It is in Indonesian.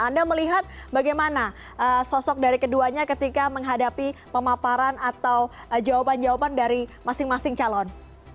anda melihat bagaimana sosok dari keduanya ketika menghadapi pemaparan atau jawaban jawaban dari masing masing calon